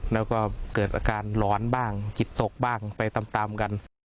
แล้วก็เกิดอาการหลอนบ้างจิตตกบ้างไปตามกัน